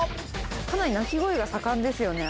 かなり鳴き声が盛んですよね